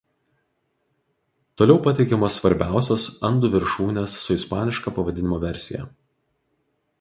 Toliau pateikiamos svarbiausios Andų viršūnės su ispaniška pavadinimo versija.